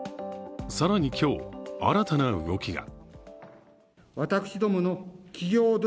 更に今日、新たな動きが。